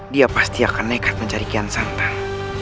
dia pasti akan nekat mencari ikan santan